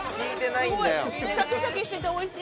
シャキシャキしてておいしい！